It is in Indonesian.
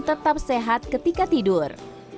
tetap sehat ketika tidur